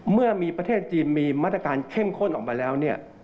เมื่อมีประเทศจีนมีมาตรการเข้มข้นออกมาแล้วเนี่ย